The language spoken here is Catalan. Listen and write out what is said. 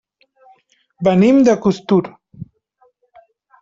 Venim de Costur.